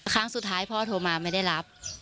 ครั้งสุดท้ายพ่อโทรมาไม่ได้รับ